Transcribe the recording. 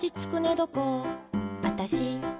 どこあたし、ね